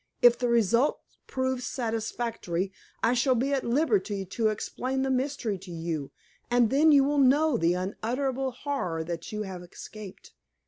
"If the result proves satisfactory, I shall be at liberty to explain the mystery to you, and then you will know the unutterable horror that you have escaped.